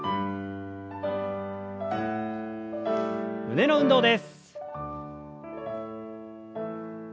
胸の運動です。